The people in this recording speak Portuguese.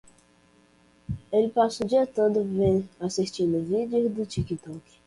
Ele passa o dia todo assistindo vídeos do TikTok.